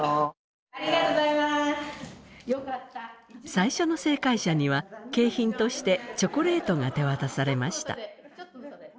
最初の正解者には景品としてチョコレートが手渡されました。